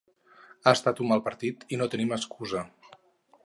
“Ha estat un mal partit i no tenim excusa”.